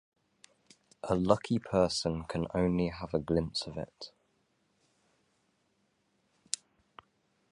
A lucky person can only have a glimpse of it.